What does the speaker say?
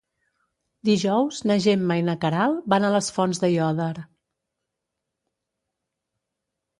Dijous na Gemma i na Queralt van a les Fonts d'Aiòder.